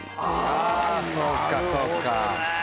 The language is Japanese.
あそっかそっか。